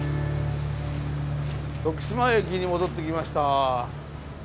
徳島駅に戻ってきました。